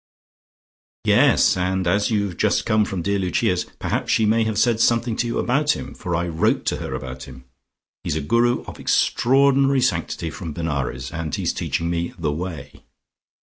"Yes; and as you've just come from dear Lucia's perhaps she may have said something to you about him, for I wrote to her about him. He's a Guru of extraordinary sanctity from Benares, and he's teaching me the Way.